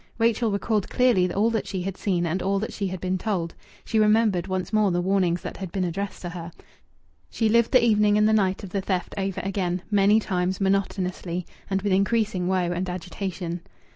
Rachel recalled clearly all that she had seen and all that she had been told. She remembered once more the warnings that had been addressed to her. She lived the evening and the night of the theft over again, many times, monotonously, and with increasing woe and agitation.